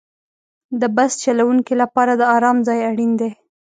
د بس چلوونکي لپاره د آرام ځای اړین دی.